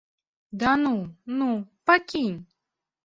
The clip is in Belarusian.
Да ну, ну, пакінь!